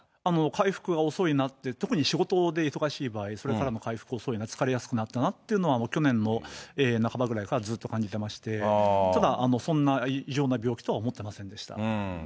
回復は遅いなって、特に仕事で忙しい場合、それからの回復遅いな、疲れやすくなったなというのは、去年の半ばぐらいからずっと感じてまして、ただ、そんな異常な病気とは思ってませんでした。